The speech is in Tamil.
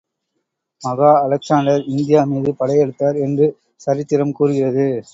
மகா அலெக்சாண்டர் இந்தியா மீது படையெடுத்தார் என்று சரித்திரம் கூறுகிறது.